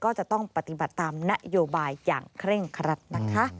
ก็จะต้องปฏิบัติตามนโยบายอย่างเคร่งครัดนะคะ